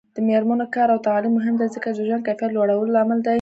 د میرمنو کار او تعلیم مهم دی ځکه چې ژوند کیفیت لوړولو لامل دی.